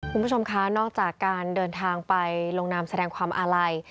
คุณผู้ชมคะนอกจากการเดินทางไปลงนามแสดงความอาลัย